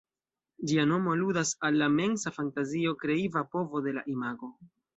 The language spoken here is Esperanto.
Ĝia nomo aludas al la mensa fantazio, kreiva povo de la imago.